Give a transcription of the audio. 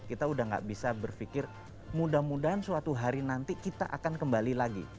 kita udah gak bisa berpikir mudah mudahan suatu hari nanti kita akan kembali lagi